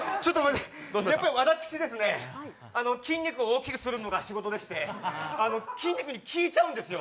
私、筋肉を大きくするのが仕事でして、筋肉に聞いちゃうんですよ。